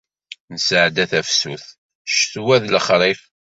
Nesɛedda tafsut, ccetwa d lexrif.